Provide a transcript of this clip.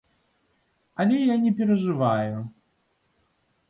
Але я не перажываю.